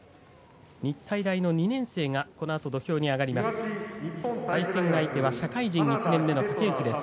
日体大の２年生が土俵に上がります。